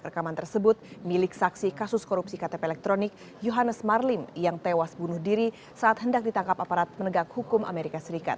rekaman tersebut milik saksi kasus korupsi ktp elektronik johannes marlim yang tewas bunuh diri saat hendak ditangkap aparat penegak hukum amerika serikat